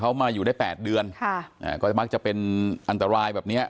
เขามาอยู่ได้แปดเดือนค่ะอ่าก็จะมักจะเป็นอันตรายแบบเนี้ย